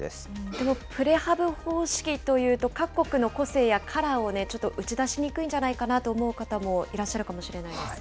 でも、プレハブ方式というと、各国の個性やカラーをちょっと打ち出しにくいんじゃないかなと思う方もいらっしゃるかもしれないですね。